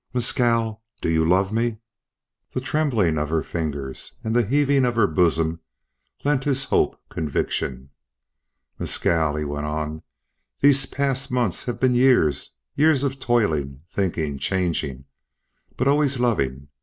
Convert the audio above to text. "Mescal, do you love me?" The trembling of her fingers and the heaving of her bosom lent his hope conviction. "Mescal," he went on, "these past months have been years, years of toiling, thinking, changing, but always loving.